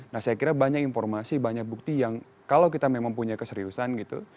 nah saya kira banyak informasi banyak bukti yang kalau kita memang punya keseriusan gitu